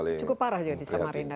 cukup parah juga di samarinda